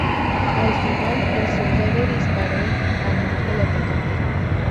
Al final, el soldado disparó a muerte al atacante.